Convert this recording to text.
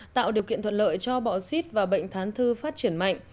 tạo điều kiện thuận lợi cho bọ xít và bệnh thán thư phát triển mạnh